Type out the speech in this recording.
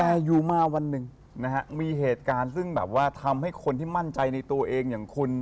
แต่อยู่มาวันหนึ่งนะฮะมีเหตุการณ์ซึ่งแบบว่าทำให้คนที่มั่นใจในตัวเองอย่างคุณ